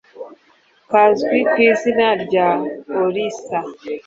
kazwi ku izina rya orissa,